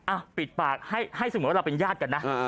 อ้าวปิดปากให้สมมติว่าเราเป็นญาติกันนะ